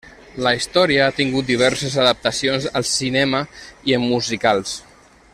La història ha tingut diverses adaptacions al cinema i en musicals.